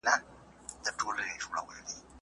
د پانګه وال نظام مخه نیول کیږي.